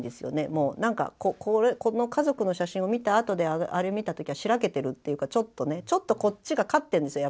もうこの家族の写真を見たあとであれ見た時はしらけてるっていうかちょっとこっちが勝ってるんですよ